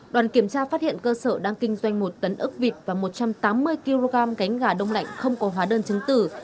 đoàn kiểm tra phát hiện cơ sở đang kinh doanh một tấn ốc vịt và một trăm tám mươi kg cánh gà đông lạnh không có hóa đơn chứng tử